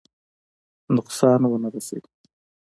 نقصان ونه رسوي.